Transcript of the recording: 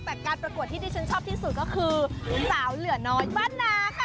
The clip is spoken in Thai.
แต่การประกวดที่ดิฉันชอบที่สุดก็คือสาวเหลือน้อยบ้านนาค่ะ